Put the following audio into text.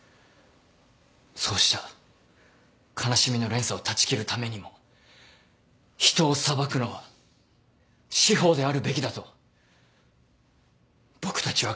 そうした悲しみの連鎖を断ち切るためにも人を裁くのは司法であるべきだと僕たちは考えます。